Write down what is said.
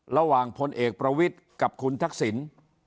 ระหว่างผลเอกประวิทย์กับคุณทักศิลป์